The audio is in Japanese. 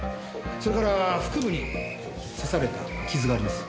それから腹部に刺された傷があります。